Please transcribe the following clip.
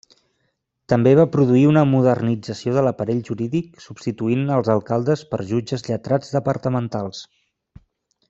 També va produir una modernització de l'aparell jurídic, substituint els alcaldes per jutges lletrats departamentals.